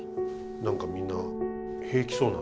何かみんな平気そうなんです。